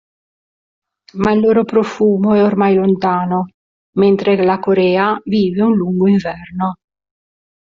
Ma il loro profumo è ormai lontano, mentre la Corea vive un lungo inverno.